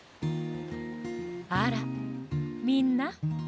あらみんな。